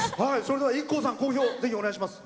ＩＫＫＯさん、講評ぜひ、お願いします。